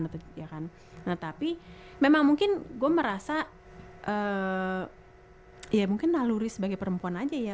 nah tapi memang mungkin gue merasa ya mungkin lalurih sebagai perempuan aja ya